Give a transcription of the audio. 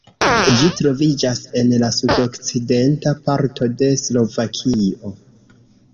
Ĝi troviĝas en la sudokcidenta parto de Slovakio.